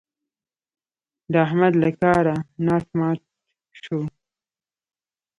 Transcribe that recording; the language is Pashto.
د احمد له کاره ناټ مات شو.